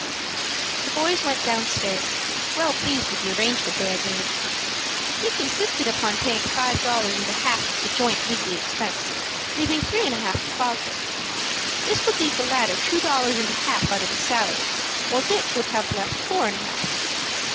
The boys went downstairs, well pleased with the arrangement they had made. Dick insisted upon paying five dollars and a half of the joint weekly expense, leaving three and a half to Fosdick. This would leave the latter two dollars and a half out of his salary, while Dick would have left four and a half.